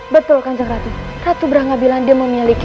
betul kanjeng ratu ratu berangga bilang dia memiliki